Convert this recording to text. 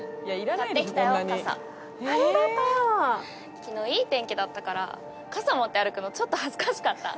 昨日いい天気だったから傘持って歩くのちょっと恥ずかしかった。